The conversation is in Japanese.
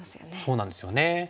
そうなんですよね。